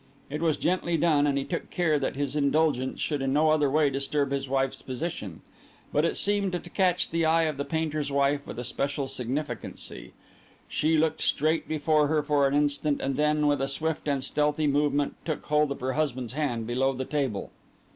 It was gently done, and he took care that his indulgence should in no other way disturb his wife's position. But it seemed to catch the eye of the painter's wife with a special significancy. She looked straight before her for an instant, and then, with a swift and stealthy movement, took hold of her husband's hand below the table.